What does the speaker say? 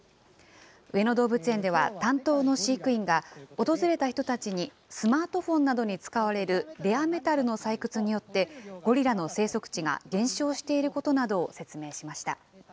上野動物園では担当の飼育員が訪れた人たちにスマートフォンなどに使われるレアメタルの採掘によって、ゴリラの生息地が減少していることなどを説明しました。